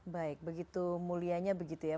baik begitu mulianya begitu ya